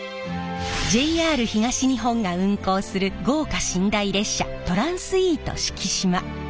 ＪＲ東日本が運行する豪華寝台列車トランスイート四季島。